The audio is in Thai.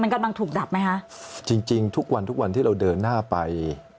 มันกำลังถูกดับไหมคะจริงจริงทุกวันทุกวันที่เราเดินหน้าไป